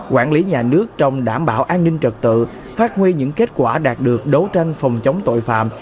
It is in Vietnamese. quản lý nhà nước trong đảm bảo an ninh trật tự phát huy những kết quả đạt được đấu tranh phòng chống tội phạm